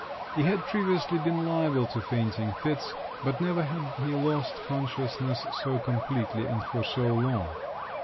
He had previously been liable to fainting fits; but never had he lost consciousness so completely and for so long.